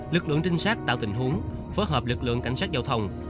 lực lượng trinh sát tạo tình huống phối hợp lực lượng cảnh sát giao thông